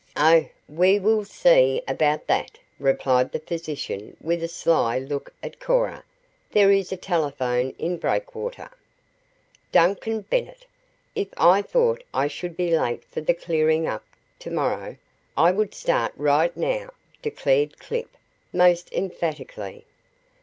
"Oh, we will see about that," replied the physician with a sly look at Cora. "There is a telephone in Breakwater " "Duncan Bennet! If I thought I should be late for the 'clearing up' to morrow I would start right now," declared Clip most emphatically.